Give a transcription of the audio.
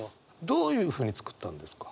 どういうふうに作ったんですか？